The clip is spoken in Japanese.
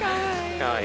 かわいい。